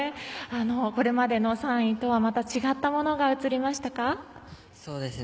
これまでの３位とはまた違ったものが映りましたか。